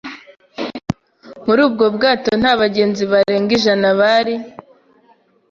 Muri ubwo bwato nta bagenzi barenga ijana bari.